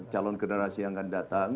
calon generasi yang akan datang